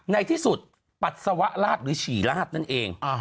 ในที่สุดปัสสาวะลาดหรือฉี่ลาดนั่นเอง